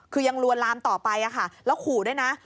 คือยังลวนลามต่อไปแล้วขู่ด้วยนะ